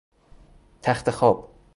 تختخواب